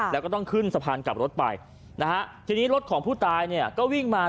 แล้วก็ต้องขึ้นสะพานกลับรถไปนะฮะทีนี้รถของผู้ตายเนี่ยก็วิ่งมา